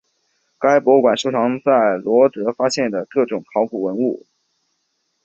该博物馆收藏在罗得岛发现的各种考古文物。